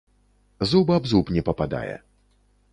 Зуб аб зуб не пападае.